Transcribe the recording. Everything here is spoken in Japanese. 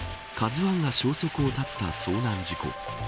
ＫＡＺＵ１が消息を絶った遭難事故。